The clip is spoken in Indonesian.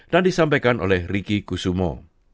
dan disampaikan oleh ricky kusumo